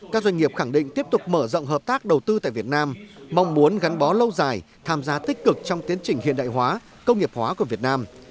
các doanh nghiệp khẳng định tiếp tục mở rộng hợp tác đầu tư tại việt nam mong muốn gắn bó lâu dài tham gia tích cực trong tiến trình hiện đại hóa công nghiệp hóa của việt nam